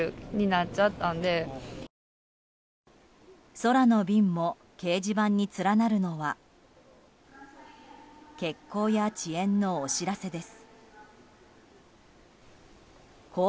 空の便も掲示板に連なるのは欠航や遅延のお知らせです。